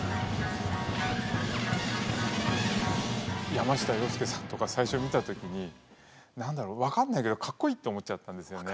山下洋輔さんとか最初見た時に何だろう分かんないけどかっこいいって思っちゃったんですよね。